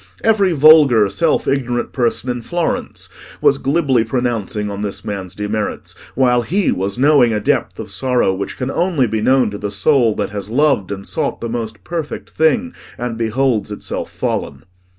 Every vulgar self ignorant person in Florence was glibly pronouncing on this man's demerits, while he was knowing a depth of sorrow which can only be known to the soul that has loved and sought the most perfect thing, and beholds itself fallen.